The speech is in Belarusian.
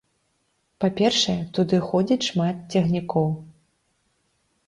Па-першае, туды ходзіць шмат цягнікоў.